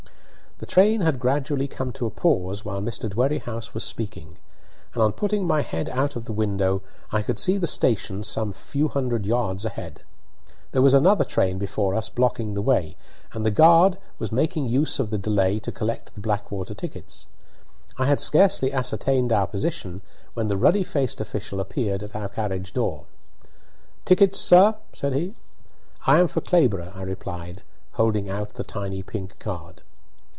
The train had gradually come to a pause while Mr. Dwerrihouse was speaking, and, on putting my head out of the window, I could see the station some few hundred yards ahead. There was another train before us blocking the way, and the guard was making use of the delay to collect the Blackwater tickets. I had scarcely ascertained our position when the ruddy faced official appeared at our carriage door. "Tickets, sir!" said he. "I am for Clayborough," I replied, holding out the tiny pink card.